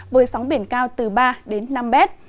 với sóng biển cao từ ba đến năm mét